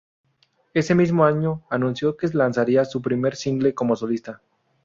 Ese mismo año anunció que lanzaría su primer single como solista.